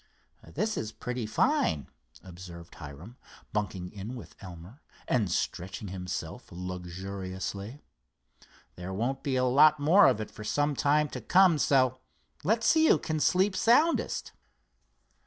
"This is pretty fine," observed Hiram, bunking in with Elmer and stretching himself luxuriously. "There won't be a lot more of it for some time to come, so let's see who can sleep soundest."